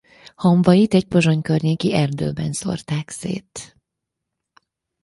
Hamvait egy Pozsony-környéki erdőben szórták szét.